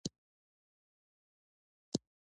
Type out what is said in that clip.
تودوخه د افغانستان د سیاسي جغرافیه برخه ده.